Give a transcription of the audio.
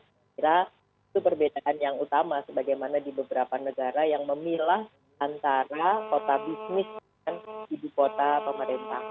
saya kira itu perbedaan yang utama sebagaimana di beberapa negara yang memilah antara kota bisnis dengan ibu kota pemerintah